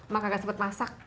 mak agak sempet masak